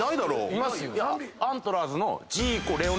いますよ。